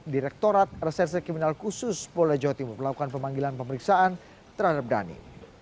direktorat reserse kriminal khusus polda jawa timur melakukan pemanggilan pemeriksaan terhadap dhani